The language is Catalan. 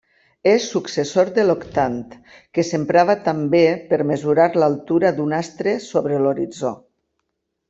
És successor de l'octant, que s'emprava també per mesurar l'altura d'un astre sobre l'horitzó.